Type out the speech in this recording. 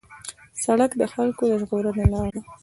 سړک د خلکو د ژغورنې لار ده.